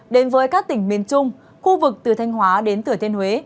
đến với các tỉnh miền trung khu vực từ thanh hóa đến thừa thiên huế